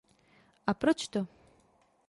A proč to?